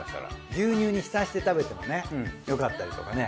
牛乳に浸して食べてもねよかったりとかね。